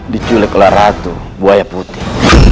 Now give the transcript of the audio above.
diculik oleh ratu buaya putih